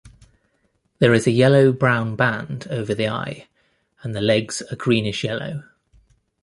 There is a yellow-brown band over the eye and the legs are greenish-yellow.